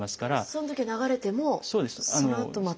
そのときは流れてもそのあとまた。